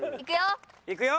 いくよ！